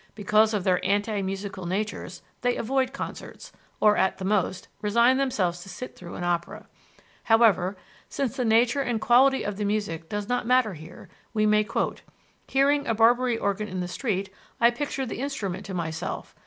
Because of their anti musical natures, they avoid concerts, or at the most, resign themselves to sit through an opera. However, since the nature and quality of the music does not matter here, we may quote: "Hearing a Barbary organ in the street, I picture the instrument to myself.